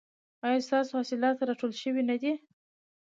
ایا ستاسو حاصلات راټول شوي نه دي؟